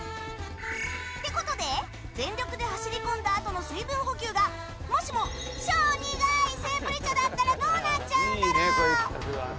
ってことで、全力で走り込んだあとの水分補給がもしも超苦いセンブリ茶だったらどうなっちゃうんだろう？